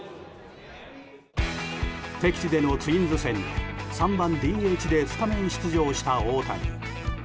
敵地でのツインズ戦に３番ＤＨでスタメン出場した大谷。